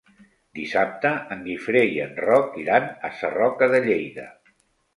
Dissabte en Guifré i en Roc iran a Sarroca de Lleida.